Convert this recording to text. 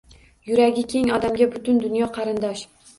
Yuragi keng odamga butun dunyo qarindosh